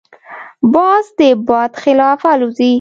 باز د باد خلاف الوزي